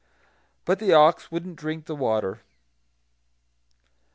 But the ox wouldn't drink the water.